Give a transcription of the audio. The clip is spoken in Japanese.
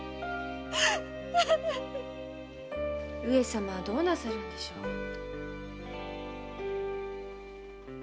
上様はどうなさるのでしょう？